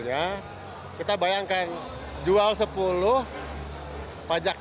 sepapi sistem metode meter besar doken m belt ini sudah sedang dipasang oleh bankawa